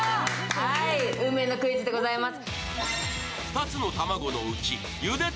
運命のクイズでございます。